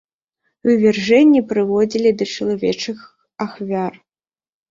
Вывяржэнні прыводзілі да чалавечых ахвяр.